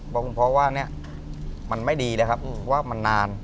บอกคุณพ่อว่าเนี่ยมันไม่ดีนะครับว่ามันนาน